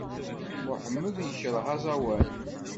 Muḥemmed yekṛeh aẓawan!